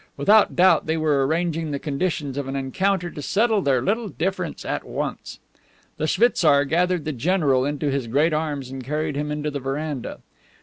Without doubt they were arranging the conditions of an encounter to settle their little difference at once. The schwitzar gathered the general into his great arms and carried him into the veranda.